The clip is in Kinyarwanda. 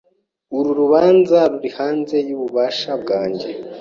Uru rubanza ruri hanze yububasha bwanjye.